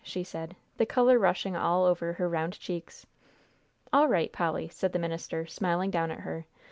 she said, the color rushing all over her round cheeks. "All right, Polly," said the minister, smiling down at her.